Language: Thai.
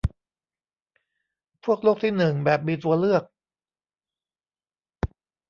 พวกโลกที่หนึ่งแบบมีตัวเลือก